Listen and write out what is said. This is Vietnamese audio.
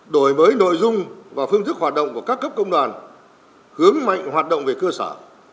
đổi mới nội dung và phương thức hoạt động của các cấp công đoàn hướng mạnh hoạt động về cơ sở